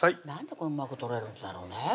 なんでうまく取れるんだろうね